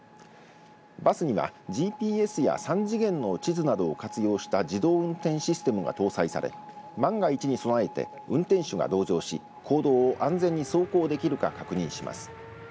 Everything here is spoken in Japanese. バスにはＧＰＳや３次元の地図などを活用した自動運転システムが搭載され万が一に備えて、運転手が同乗し公道を安全に走行できるか確認します。